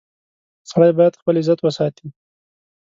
• سړی باید خپل عزت وساتي.